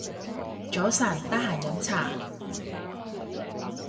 早晨，得閒飲茶